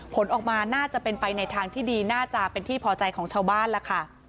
ผลออกมาน่าจะเป็นไปในทางที่ดีน่าจะเป็นที่พอใจของชาวบ้านล่ะค่ะ